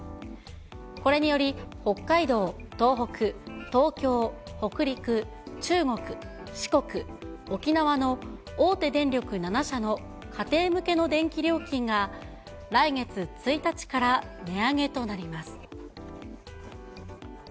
これにより、北海道、東北、東京、北陸、中国、四国、沖縄の大手電力７社の家庭向けの電気料金が、来月１日から値上げとなります。